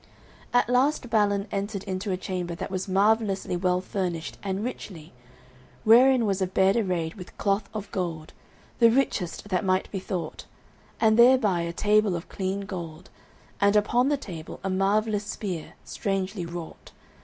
At last Balin entered into a chamber that was marvellously well furnished and richly, wherein was a bed arrayed with cloth of gold, the richest that might be thought, and thereby a table of clean gold, and upon the table a marvellous spear, strangely wrought.